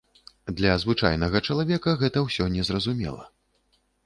Для звычайнага чалавека гэта ўсё не зразумела.